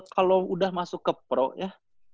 kalo udah masuk ke pro ya